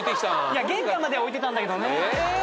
いや玄関までは置いてたんだけど。